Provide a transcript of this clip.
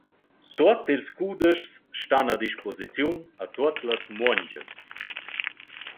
«Tuot ils cudeschs stan a disposiziun a tuot las muongias.